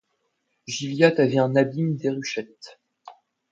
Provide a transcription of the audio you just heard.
Gilliatt avait un abîme, Déruchette.